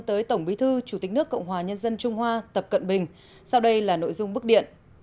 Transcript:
tới tổng bí thư chủ tịch nước cộng hòa nhân dân trung hoa tập cận bình sau đây là nội dung bức điện